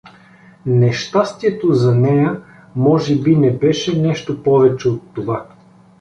Нещастието за нея може би не беше нещо повече от това.